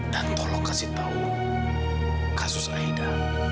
dan tolong kasih tahu kasus aida